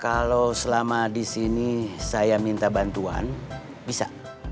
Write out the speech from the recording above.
kalau selama disini saya minta bantuan bisa